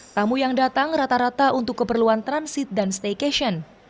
tamu yang datang rata rata untuk keperluan transit dan staycation